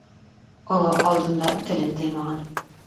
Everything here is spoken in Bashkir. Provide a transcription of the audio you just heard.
Оло алдында телен тыймаған.